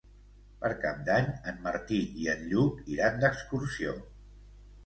Per Cap d'Any en Martí i en Lluc iran d'excursió.